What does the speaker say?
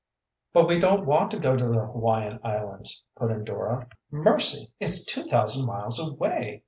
"But we don't want to go to the Hawaiian Islands!" put in Dora. "Mercy! It's two thousand miles away!"